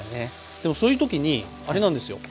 でもそういう時にあれなんですよ。